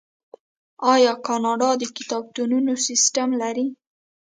آیا کاناډا د کتابتونونو سیستم نلري؟